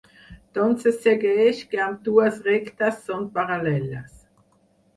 D'on se segueix que ambdues rectes són paral·leles.